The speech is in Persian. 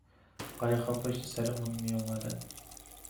قایقها پشت سرمون میاومدن